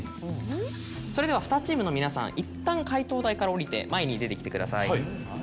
それでは２チームの皆さんいったん解答台から下りて前に出てきてください。